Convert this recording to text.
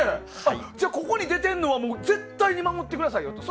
ここに出てるのは絶対に守ってくださいと。